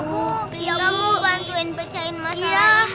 kita mau bantuin pecahin masalah